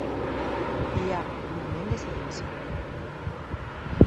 Hi ha un moment de silenci.